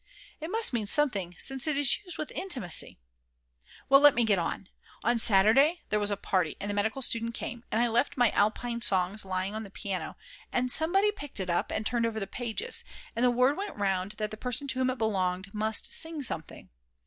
It must mean something, since it is used with intimacy. Well, let me get on. On Saturday there was a party, and the medical student came, and I left my Alpine Songs lying on the piano, and somebody picked it up and turned over the pages, and the word went round that the person to whom it belonged must sing something.